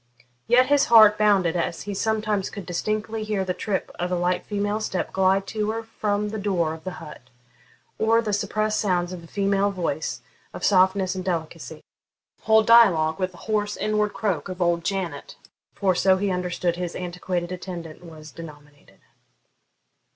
Yet his heart bounded as he sometimes could distinctly hear the trip of a light female step glide to or from the door of the hut, or the suppressed sounds of a female voice, of softness and delicacy, hold dialogue with the hoarse inward croak of old Janet, for so he understood his antiquated attendant was denominated.